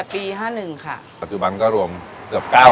มีวันหยุดเอ่ออาทิตย์ที่สองของเดือนค่ะ